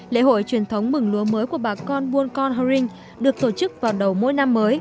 lễ hội truyền thống mừng lúa mới của bà con buôn con hơ rinh được tổ chức vào đầu mỗi năm mới